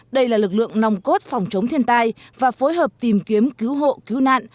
đây là lực lượng nòng cốt phòng chống thiên tai và phối hợp tìm kiếm cứu hộ cứu nạn